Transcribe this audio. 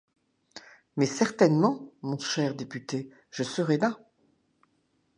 Mais certainement, mon cher député, je serai là.